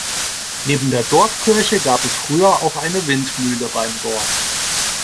Neben der Dorfkirche gab es früher auch eine Windmühle beim Dorf.